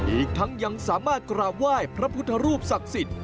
อีกทั้งยังสามารถกราบไหว้พระพุทธรูปศักดิ์สิทธิ